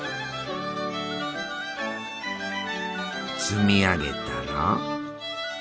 積み上げたら。